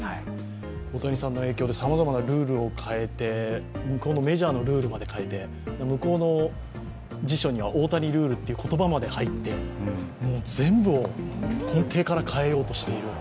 大谷さんの影響でさまざまなルールを変えて、向こうのメジャーのルールまで変えて、向こうの辞書には大谷ルールという言葉まで入ってもう全部を根底から変えようとしている。